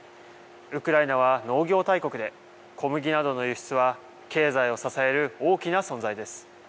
ウクライナは農業大国で小麦などの輸出は経済を支える大きな存在です。